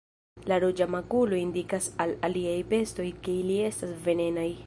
La ruĝa makulo indikas al aliaj bestoj ke ili estas venenaj.